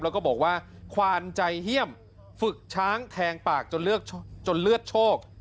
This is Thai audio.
แล้วก็บอกว่าควานใจเฮี่ยมฝึกช้างแทงปากจนเลือดโชค